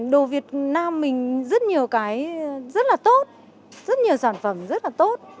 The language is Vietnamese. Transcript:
đồ việt nam mình rất nhiều cái rất là tốt rất nhiều sản phẩm rất là tốt